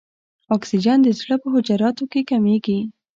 اکسیجن د زړه په حجراتو کې کمیږي.